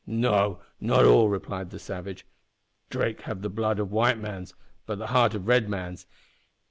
"No, not all," replied the savage. "Drake have the blood of white mans, but the heart of red mans.